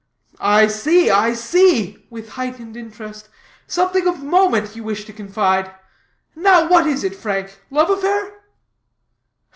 "I see, I see," with heightened interest, "something of moment you wish to confide. Now, what is it, Frank? Love affair?"